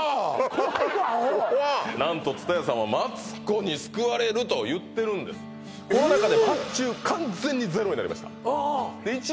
怖いわアホ何と津多屋さんはマツコに救われると言ってるんですええコロナ禍で発注完全にゼロになりました